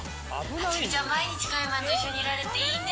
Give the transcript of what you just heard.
はつみちゃん、毎日カイマンと一緒にいられていいね。